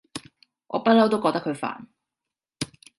我不嬲都覺得佢煩